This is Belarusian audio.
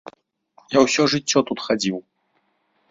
Я ўсё жыццё тут хадзіў.